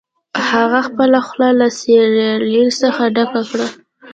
هغه خپله خوله له سیریل څخه ډکه کړه